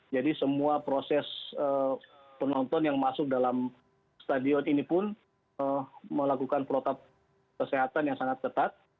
jadi semua proses penonton yang masuk dalam stadion ini pun melakukan prototip kesehatan yang sangat ketat